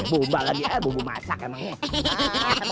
bumbu masak emangnya